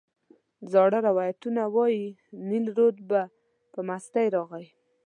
زاړه روایتونه وایي نیل رود به په مستۍ راغی.